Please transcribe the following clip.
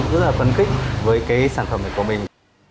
rất là phấn khích với cái sản phẩm này của mình